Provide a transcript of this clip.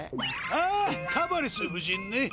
ああカバリス夫人ね。